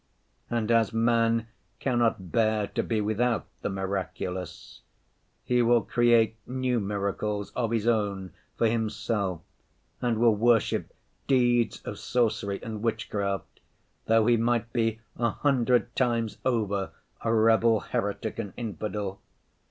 And as man cannot bear to be without the miraculous, he will create new miracles of his own for himself, and will worship deeds of sorcery and witchcraft, though he might be a hundred times over a rebel, heretic and infidel.